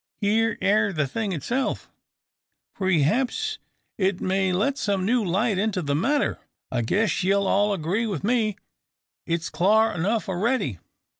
Here air the thing itself. Preehaps it may let some new light into the matter; though I guess you'll all agree wi' me, it's clar enough a'ready."